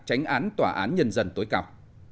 tránh án tòa án nhân dân tối cầu